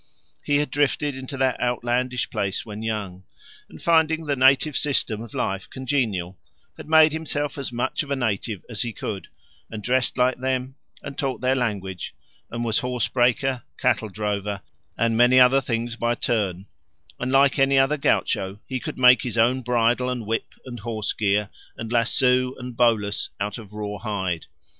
He had drifted into that outlandish place when young, and finding the native system of life congenial had made himself as much of a native as he could, and dressed like them and talked their language, and was horse breaker, cattle drover, and many other things by turn, and like any other gaucho he could make his own bridle and whip and horse gear and lasso and bolas out of raw hide.